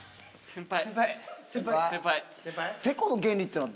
先輩！